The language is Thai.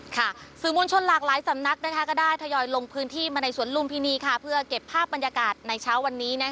ค่ะสืบวนชนหลากหลายสำนักนะคะก็ได้ทยอยลงพื้นที่มาในสนลุมพินีค่ะ